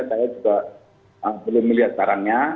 saya juga belum melihat barangnya